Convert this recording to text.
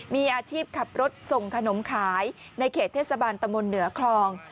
มีอาชีพขับรถส่งขนมขายในเขตเทศบาลตะมนต์เหนือคลอง